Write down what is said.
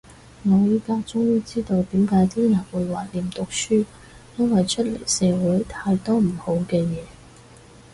我依家終於知道點解啲人會懷念讀書，因為出嚟社會太多唔好嘅嘢